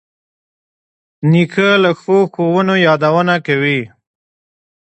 نیکه له ښو ښوونو یادونه کوي.